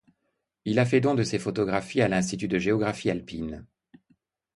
Il a fait don de ses photographies à l’Institut de géographie alpine.